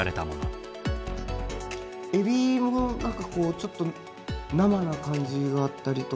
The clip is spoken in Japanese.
エビも何かこうちょっと生な感じがあったりとか。